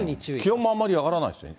気温もあまり上がらないですよね。